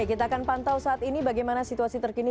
kita akan pantau saat ini bagaimana situasi terkini